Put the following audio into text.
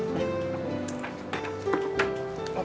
udah kita ke sekolah